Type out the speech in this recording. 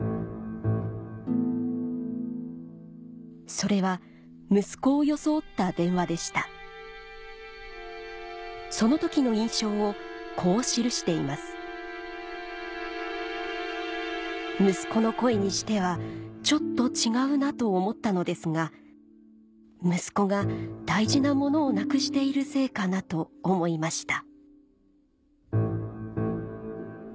それは息子を装った電話でしたその時の印象をこう記しています「息子の声にしてはちょっと違うなと思ったのですが息子が大事な物を亡くしているせいかなと思いました」